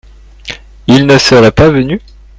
Ils ne seraient pas venus ?